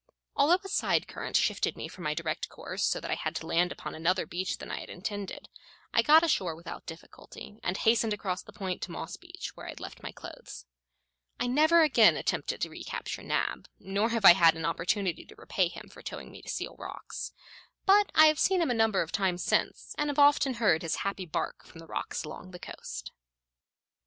Although a side current shifted me from my direct course so that I had to land upon another beach than I had intended, I got ashore without difficulty, and hastened across the point to Moss Beach, where I had left my clothes. I never again attempted to recapture Nab, nor have I had an opportunity to repay him for towing me to Seal Rocks; but I have seen him a number of times since, and have often heard his happy bark from the rocks along the coast.